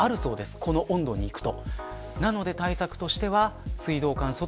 この温度になると。